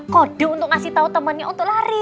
kode untuk ngasih tau temennya untuk lari